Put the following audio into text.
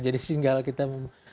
jadi sehingga kita